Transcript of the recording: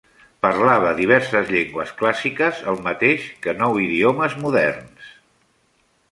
Parlava diverses llengües clàssiques el mateix que nou idiomes moderns.